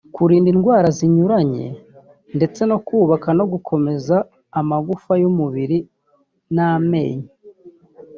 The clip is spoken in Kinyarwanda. kurinda indwara zinyuranye ndetse no kubaka no gukomeza amagufa y’umubiri n’amenyo